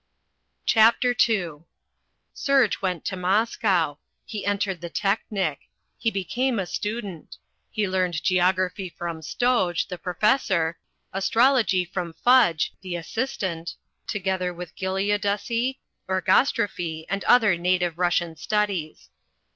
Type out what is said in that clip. CHAPTER II Serge went to Moscow. He entered the Teknik. He became a student. He learned geography from Stoj, the professor, astrography from Fudj, the assistant, together with giliodesy, orgastrophy and other native Russian studies.